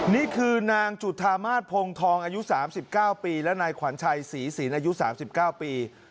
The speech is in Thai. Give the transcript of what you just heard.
นี่คือนางจุธามาศพงธองอายุสามสิบเก้าปีและนายขวัญชัยศรีศีลอายุสามสิบเก้าปี